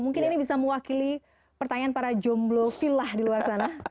mungkin ini bisa mewakili pertanyaan para jomblo villa di luar sana